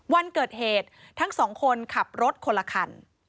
วันเกิดเหตุทั้งสองคนขับรถคนละคัน